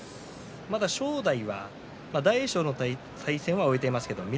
また正代は大栄翔との対戦は終えていますが翠